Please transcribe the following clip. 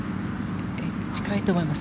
近いと思います。